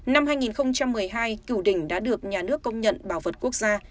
năm hai nghìn một mươi hai cửu đỉnh đã được nhà nước công nhận bảo vật quốc gia